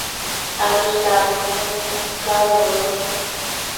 Arustab ngungunyek, kakorobon